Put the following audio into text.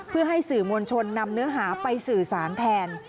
เพื่อให้สื่อมวลชนนำเนื้อหาไปสื่อสารแทน